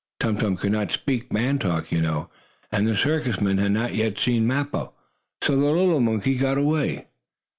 Tum Tum could not speak man talk, you know, and the circus men had not yet seen Mappo. So the little monkey got away.